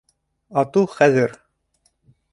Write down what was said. Ату, хәҙер...